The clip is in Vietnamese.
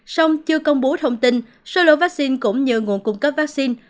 xong chưa công bố thông tin sơ lộ vaccine cũng như nguồn cung cấp vaccine